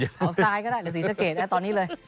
เอาซ้ายก็ได้หรือสีสะเกดตอนนี้เลย